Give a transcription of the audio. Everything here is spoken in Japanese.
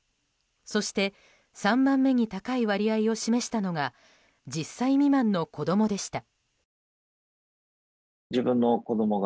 そして３番目に高い割合を示したのが１０歳未満の子供でした。